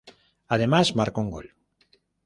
Además marcó un gol.